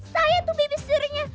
saya tuh babysitternya